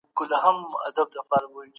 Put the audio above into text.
پارلمان سوله ایزې خبرې نه ځنډوي.